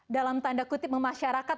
dalam tanda kutip memasyarakat